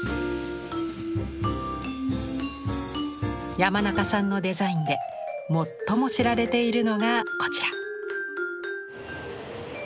山中さんのデザインで最も知られているのがこちら。